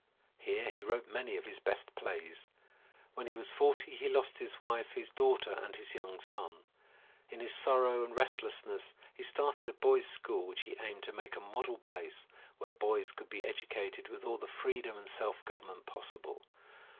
Here he wrote many of his best plays. When he was forty he lost his wife, his daughter and his young son. In his sorrow and restlessness he started a boy's school which he aimed to make a model place where boys could be educated with all the freedom and self government possible.